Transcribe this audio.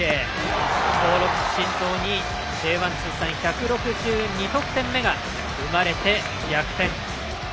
興梠慎三にＪ１通算１６２得点目が生まれて逆転。